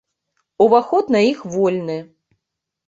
Уваход на іх вольны.